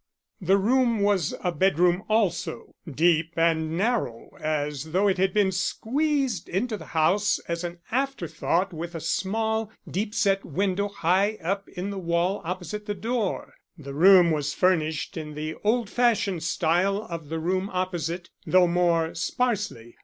The room was a bedroom also, deep and narrow as though it had been squeezed into the house as an afterthought with a small, deep set window high up in the wall opposite the door. The room was furnished in the old fashioned style of the room opposite, though more sparsely.